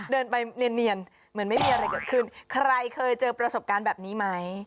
เดินไปเนียนเหมือนไม่มีอะไรเกิดขึ้นใครเคยเจอประสบการณ์แบบนี้ไหม